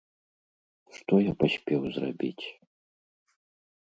Што я паспеў зрабіць?